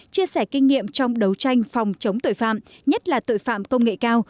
chia sẻ kinh nghiệm trong đấu tranh phòng chống tội phạm nhất là tội phạm công nghệ cao